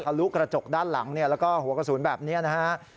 ลุกระจกด้านหลังแล้วก็หัวกระสุนแบบนี้นะฮะ